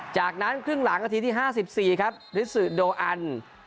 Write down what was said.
จากนั้นครึ่งหลังนาทีที่๕๔ครับฤทธิ์โดอัน